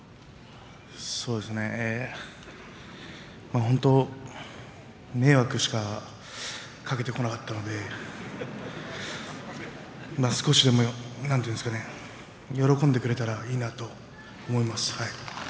そうですね、本当に迷惑しかかけてこなかったのでまあ少しでも喜んでくれたらいいなと思います。